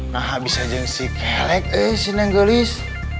nah abis aja si kelek eh si neng gelis